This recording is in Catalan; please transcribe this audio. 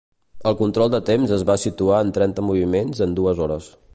El control de temps es va situar en trenta moviments en dues hores.